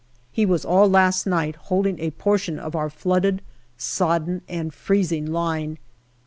He was all last night holding a portion of our flooded, sodden and freezing line.